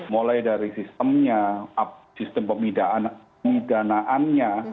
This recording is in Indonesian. mulai dari sistemnya sistem pemidanaannya